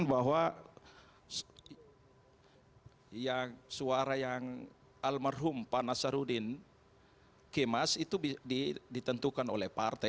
bahwa suara yang almarhum pak nasarudin kemas itu ditentukan oleh partai